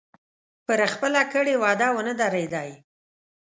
پر خپله کړې وعده ونه درېدی.